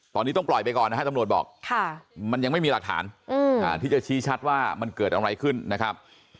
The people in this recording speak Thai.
ตอนนี้ต้องปล่อยไปก่อนนะฮะตำรวจบอกมันยังไม่มีหลักฐานที่จะชี้ชัดว่ามันเกิดอะไรขึ้นนะครับ